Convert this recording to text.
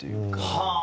はあ！